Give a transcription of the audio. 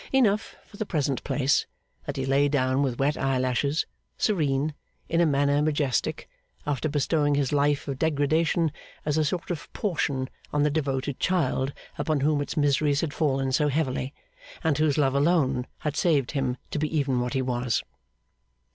Enough, for the present place, that he lay down with wet eyelashes, serene, in a manner majestic, after bestowing his life of degradation as a sort of portion on the devoted child upon whom its miseries had fallen so heavily, and whose love alone had saved him to be even what he was.